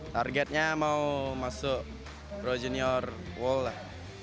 targetnya mau masuk pro junior woll lah